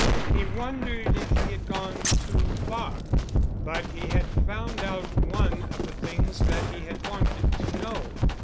He wondered if he had gone too far. But he had found out one of the things that he had wanted to know.